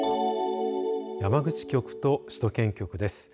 山口局と首都圏局です。